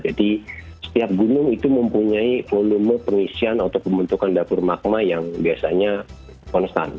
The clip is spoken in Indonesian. jadi setiap gunung itu mempunyai volume pengisian atau pembentukan dapur magma yang biasanya konstan